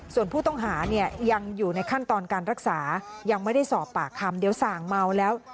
ส่วนผู้ต้องหาเนี่ยยังอยู่ในขั้นตอนการรักษายังไม่ได้สอบปากคำเดี๋ยวสั่งเมาแล้ว